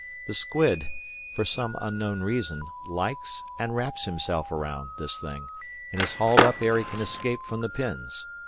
The squid for some unknown reason likes, and wraps himself round, this thing, and is hauled up ere he can escape from the pins.